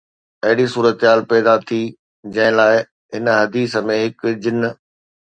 اهڙي صورتحال پيدا ٿي جنهن لاءِ هن حديث ۾ هڪ جن